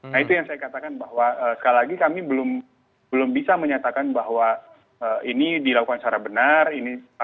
nah itu yang saya katakan bahwa sekali lagi kami belum belum bisa menyatakan bahwa ini dilakukan secara benar ini atau tidak ditahukan secara benar